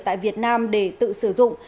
tại việt nam để tự sử dụng